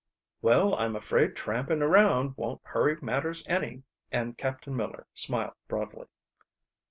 "Well, I'm afraid tramping around won't hurry matters any," and Captain Miller smiled broadly.